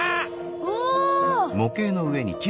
お！